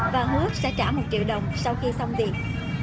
và hứa sẽ trả một triệu đồng sau khi xong tiền